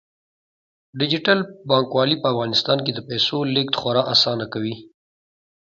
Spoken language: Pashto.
ډیجیټل بانکوالي په افغانستان کې د پیسو لیږد خورا اسانه کوي.